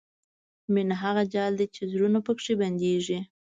مینه هغه جال دی چې زړونه پکې بندېږي.